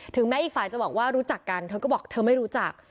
แม้อีกฝ่ายจะบอกว่ารู้จักกันเธอก็บอกเธอไม่รู้จัก